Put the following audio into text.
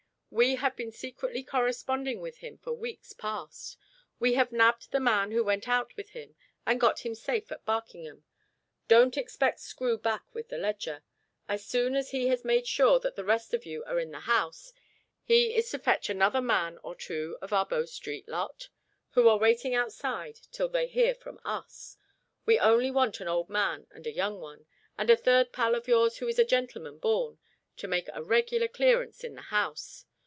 "We have been secretly corresponding with him for weeks past. We have nabbed the man who went out with him, and got him safe at Barkingham. Don't expect Screw back with the ledger. As soon as he has made sure that the rest of you are in the house, he is to fetch another man or two of our Bow Street lot, who are waiting outside till they hear from us. We only want an old man and a young one, and a third pal of yours who is a gentleman born, to make a regular clearance in the house.